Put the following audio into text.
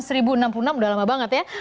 sudah lama banget ya